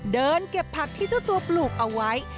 เดินเก็บผักที่เจ้าตัวปลูกเอาไว้